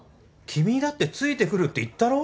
君だってついてくるって言ったろ？